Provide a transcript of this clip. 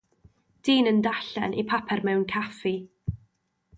Dyn yn darllen y papur mewn caffi.